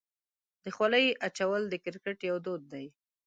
د خولۍ اچول د کرکټ یو دود دی.